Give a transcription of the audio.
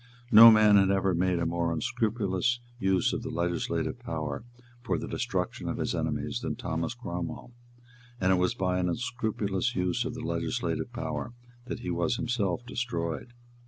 No man had ever made a more unscrupulous use of the legislative power for the destruction of his enemies than Thomas Cromwell; and it was by an unscrupulous use of the legislative power that he was himself destroyed.